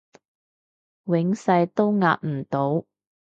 永世都壓唔到